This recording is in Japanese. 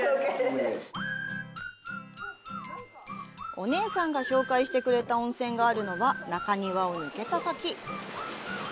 お姉さんが紹介してくれた温泉があるのは中庭を抜けた先。